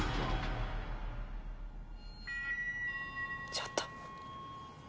・ちょっと。